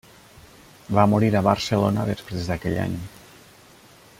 Va morir a Barcelona després d'aquell any.